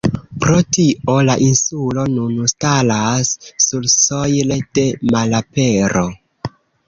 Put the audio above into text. Pro tio, la insulo nun staras sursojle de malapero.